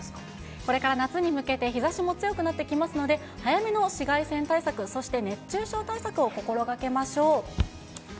これから夏に向けて、日ざしも強くなってきますので、早めの紫外線対策、そして熱中症対策を心がけましょう。